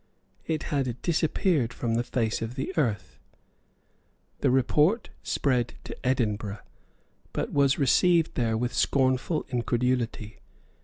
It had disappeared from the face of the earth. The report spread to Edinburgh, but was received there with scornful incredulity.